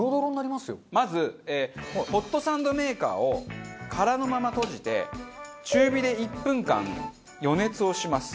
まずホットサンドメーカーを空のまま閉じて中火で１分間予熱をします。